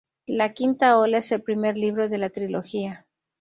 La Quinta Ola, es el primer libro de la trilogía.